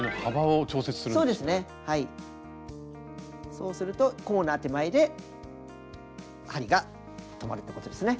そうするとコーナー手前で針が止まるってことですね。